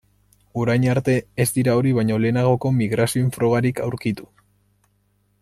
Orain arte, ez dira hori baino lehenagoko migrazioen frogarik aurkitu.